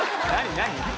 何？